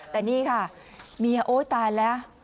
แต่นี่ค่ะเมียโอ๊ยตายแล้ว